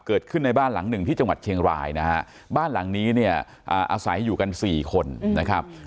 เกิดขึ้นในบ้านหลังหนึ่งที่จังหวัดเชียงรายนะฮะบ้านหลังนี้เนี่ยอาศัยอยู่กันสี่คนนะครับ